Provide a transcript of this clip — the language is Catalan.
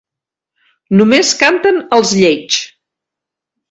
Només canten els lleigs.